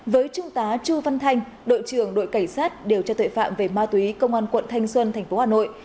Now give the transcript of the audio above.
với trung tá chu văn thanh đội trưởng đội cảnh sát điều tra tội phạm về ma túy công an quận thanh xuân tp hà nội